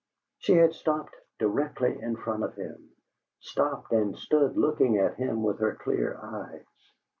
She had stopped directly in front of him; stopped and stood looking at him with her clear eyes.